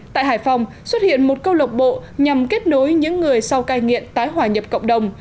tại hải phòng xuất hiện một câu lộc bộ nhằm kết nối những người sau cai nghiện tái hòa nhập cộng đồng